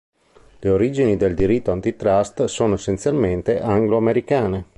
Le origini del diritto antitrust sono essenzialmente anglo-americane.